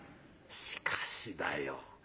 しかしだよ